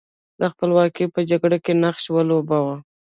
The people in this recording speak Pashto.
د خپلواکۍ په جګړه کې نقش ولوباوه.